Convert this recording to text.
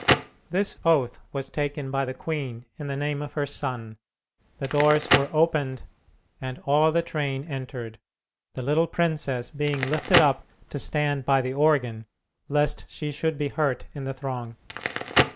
This oath was taken by the queen in the name of her son, the doors were opened, and all the train entered, the little princess being lifted up to stand by the organ, lest she should be hurt in the throng.